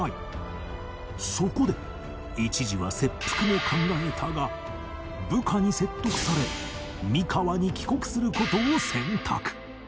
そこで一時は切腹も考えたが部下に説得され三河に帰国する事を選択